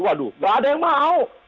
waduh gak ada yang mau